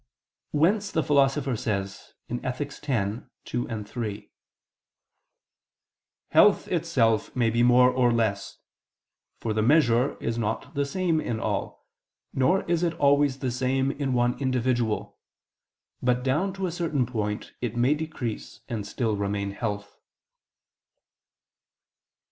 Whence the Philosopher says (Ethic. x, 2, 3): "Health itself may be more or less: for the measure is not the same in all, nor is it always the same in one individual; but down to a certain point it may decrease and still remain health."